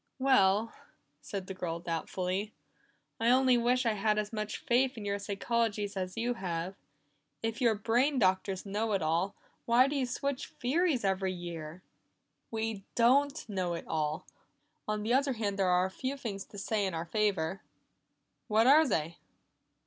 "Well," said the girl doubtfully, "I only wish I had as much faith in your psychologies as you have. If you brain doctors know it all, why do you switch theories every year?" "We don't know it all. On the other hand, there are a few things to be said in our favor." "What are they?"